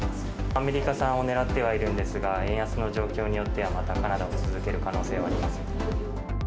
アメリカ産を狙ってはいるんですが、円安の状況によっては、またカナダを続ける可能性があります。